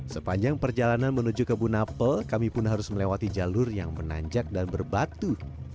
sepanjang perjalanan menuju kebunapel kami pun harus melewati jalur yang menanjak dan berbatu